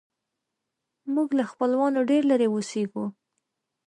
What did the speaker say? موږ له خپلوانو ډېر لیرې اوسیږو